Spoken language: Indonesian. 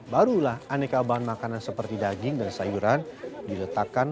barulah aneka bahan makanan seperti daging dan sayuran diletakkan